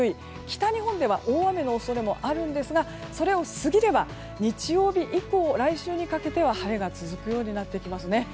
北日本では大雨の恐れもありますがそれを過ぎれば、日曜日以降来週にかけては晴れが続くようになってきますね。